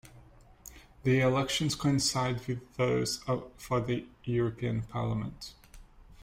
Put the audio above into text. The elections coincide with those for the European Parliament.